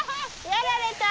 やられた。